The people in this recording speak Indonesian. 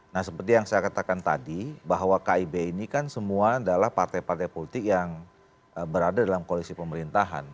nah seperti yang saya katakan tadi bahwa kib ini kan semua adalah partai partai politik yang berada dalam koalisi pemerintahan